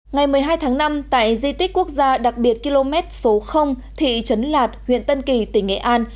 ngày một mươi hai tháng năm tại di tích quốc gia đặc biệt km số thị trấn lạt huyện tân kỳ tỉnh nghệ an